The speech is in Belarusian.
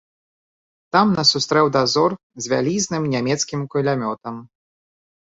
Там нас сустрэў дазор з вялізным нямецкім кулямётам.